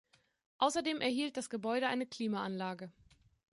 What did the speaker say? Außerdem erhielt das Gebäude eine Klimaanlage.